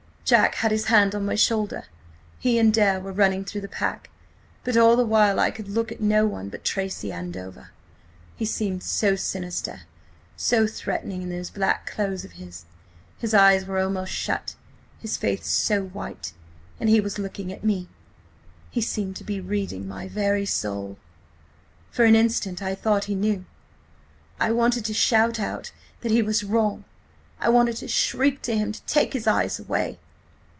Jack had his hand on my shoulder; he and Dare were running through the pack. But all the while I could look at no one but Tracy–Andover. He seemed so sinister, so threatening, in those black clothes of his. His eyes were almost shut–his face so white And he was looking at me! He seemed to be reading my very soul. ... For an instant I thought he knew! I wanted to shout out that he was wrong! I wanted to shriek to him to take his eyes away!